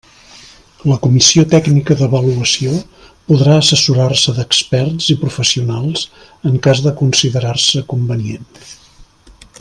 La comissió tècnica d'avaluació podrà assessorar-se d'experts i professionals, en cas de considerar-se convenient.